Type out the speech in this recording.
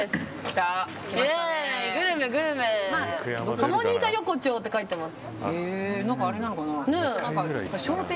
ハモニカ横丁って書いてます。